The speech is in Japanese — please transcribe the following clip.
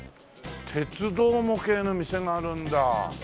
鉄道模型の店があるんだ。